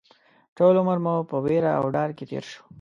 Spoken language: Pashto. ټول عمر مو په وېره او ډار کې تېر شو